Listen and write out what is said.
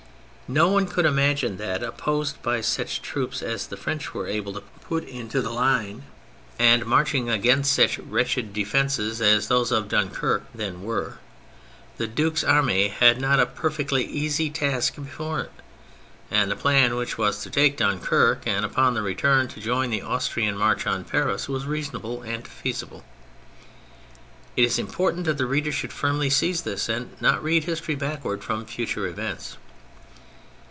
No one could imagine that, opposed by such troops as the French were able to put into line, THE MILITARY ASPECT 189 and marching against such wretched de fences as those of Dunquerque then were, the Duke's army had not a perfectly easy task before it; and the plan, which was to take Punquerque and upon the return to join the Austrian march on Paris, was reasonable and feasible. It is important that the reader should firmly seize this and not read history back ward from future events.